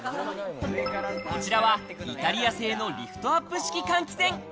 こちらはイタリア製のリフトアップ式換気扇。